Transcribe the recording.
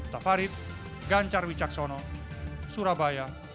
tafarid ganjar wijaksono surabaya